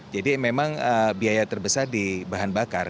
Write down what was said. jadi memang biaya terbesar di bahan bakar